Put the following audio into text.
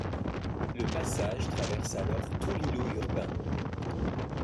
Le passage traverse alors tout l’îlot urbain.